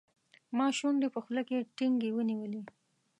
ما شونډې په خوله کې ټینګې ونیولې.